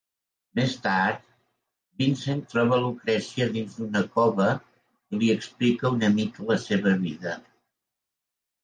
Més tard, Vincent troba Lucrecia dins d'una cova i li explica una mica la seva vida.